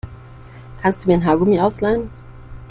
Kannst du mir ein Haargummi ausleihen?